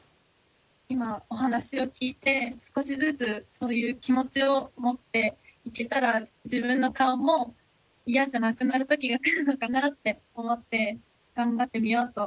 今お話を聞いて少しずつそういう気持ちを持っていけたら自分の顔も嫌じゃなくなる時が来るのかなって思って頑張ってみようと思いました。